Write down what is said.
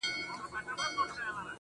دې جوارۍ کي يې دوه زړونه په يوه ايښي دي_